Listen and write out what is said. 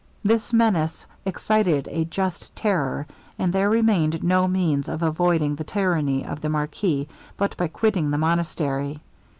This menace excited a just terror, and there remained no means of avoiding the tyranny of the marquis but by quitting the monastery.